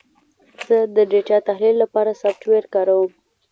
زه د ډیټا تحلیل لپاره سافټویر کاروم.